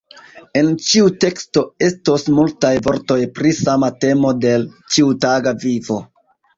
En ĉiu teksto estos multaj vortoj pri sama temo de l' ĉiutaga vivo.